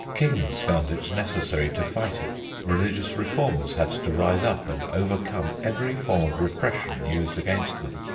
Kings found it necessary to fight it; religious reformers had to rise up and overcome every form of repression used against them.